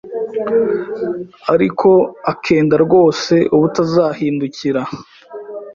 ariko akenda rwose ubutazahindukira